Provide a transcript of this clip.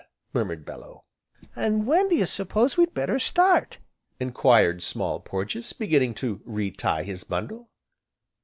murmured Bellew. "An' when d'you s'pose we'd better start?" enquired Small Porges, beginning to re tie his bundle.